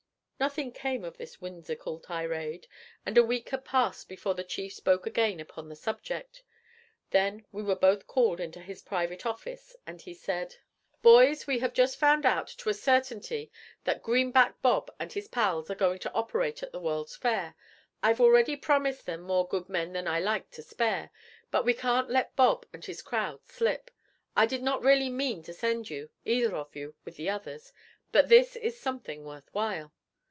Nothing came of this whimsical tirade, and a week had passed before the chief spoke again upon the subject. Then we were both called into his private office, and he said: 'Boys, we have just found out to a certainty that Greenback Bob and his pals are going to operate at the World's Fair. I've already promised them more good men than I like to spare, but we can't let Bob and his crowd slip. I did not really mean to send you, either of you, with the others; but this is something worth while.'